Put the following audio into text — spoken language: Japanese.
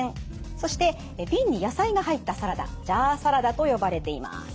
そして瓶に野菜が入ったサラダジャーサラダと呼ばれています。